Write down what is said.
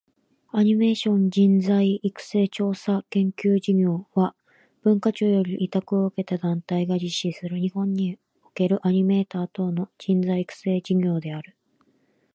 アニメーション人材育成調査研究事業（アニメーションじんざいいくせいちょうさけんきゅうじぎょう）は、文化庁より委託を受けた団体（後述）が実施する、日本におけるアニメーター等の人材育成事業である。